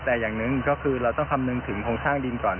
แต่อย่างหนึ่งก็คือเราต้องคำนึงถึงโครงสร้างดินก่อน